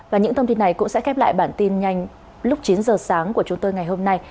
và những thông tin này cũng sẽ khép lại bản tin nhanh lúc chín giờ sáng của chúng tôi ngày hôm nay